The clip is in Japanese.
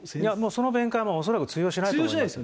その弁解は、恐らく通用しないと思います。